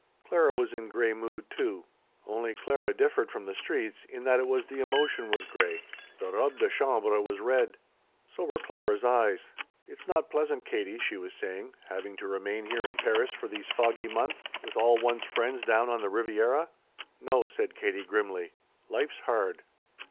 Clara was in gray mood, too. Only Clara differed from the streets in that it was the emotion was gray; the robe de chambre was red. So were Clara's eyes. "It's not pleasant, Katie," she was saying, "having to remain here in Paris for these foggy months with all one's friends down on the Riviera." "No," said Katie grimly, "life's hard."